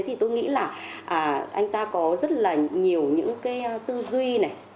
thì tôi nghĩ là anh ta có rất là nhiều những tư duy